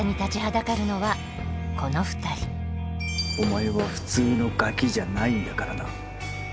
お前は普通のガキじゃないんだからな。